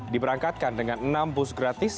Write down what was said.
diberangkatkan dengan enam bus gratis